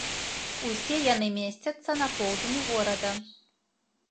Усе яны месцяцца на поўдні горада.